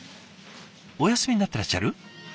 お休みになってらっしゃる？